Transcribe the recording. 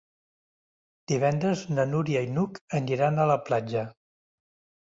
Divendres na Núria i n'Hug aniran a la platja.